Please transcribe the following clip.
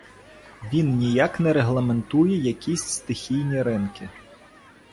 Він ніяк не регламентує якісь стихійні ринки.